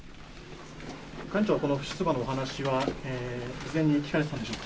幹事長はこの不出馬のお話は、事前に聞かれてたんでしょうか？